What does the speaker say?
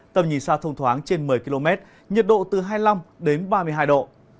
tầm nhìn xa thông thoáng trên một mươi km nhiệt độ từ hai mươi năm đến ba mươi hai độ